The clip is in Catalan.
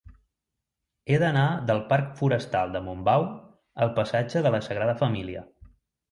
He d'anar del parc Forestal de Montbau al passatge de la Sagrada Família.